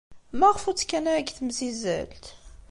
Maɣef ur ttekkan ara deg temsizzelt?